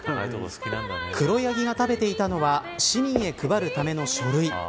黒ヤギが食べていたのは市民へ配るための書類。